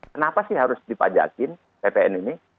kenapa sih harus dipajakin ppn ini